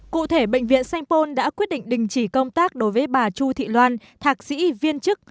cụ thể bệnh viện sanh pôn đã quyết định đình chỉ công tác đối với bà chu thị loan thạc sĩ viên chức